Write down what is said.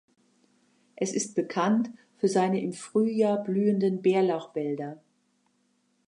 Es ist bekannt für seine im Frühjahr blühenden Bärlauch-Wälder.